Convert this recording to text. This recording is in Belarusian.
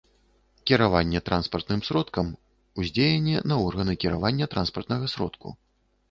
Кіраванне транспартным сродкам — уздзеянне на органы кіравання транспартнага сродку